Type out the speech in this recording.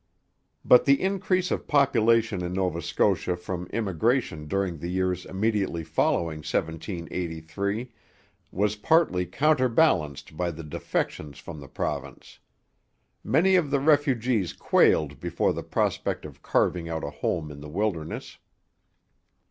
But the increase of population in Nova Scotia from immigration during the years immediately following 1783 was partly counterbalanced by the defections from the province. Many of the refugees quailed before the prospect of carving out a home in the wilderness.